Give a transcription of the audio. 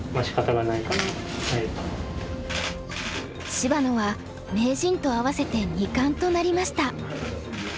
芝野は名人と合わせて２冠となりました。